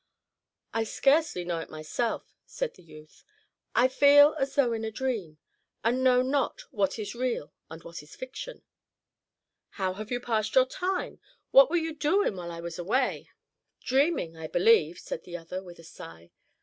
"I scarcely know it myself," said the youth. "I feel as though in a dream, and know not what is real and what fiction." "How have you passed your time? What were you doin' while I was away?" "Dreaming, I believe," said the other, with a sigh.